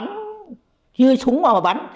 như súng mà bắn